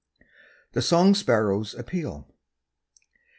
THE SONG SPARROW'S APPEAL.